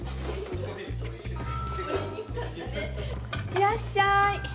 いらっしゃい。